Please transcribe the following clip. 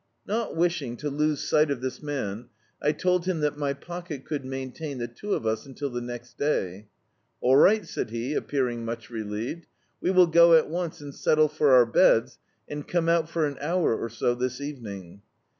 Not wishing to lose si^t of this man, I told him that my pocket could maintain the two of us until the next day. "All ri^t," said he, appearing much relieved, "we will go at once and settle for our beds, and come out for an hour or so this evening."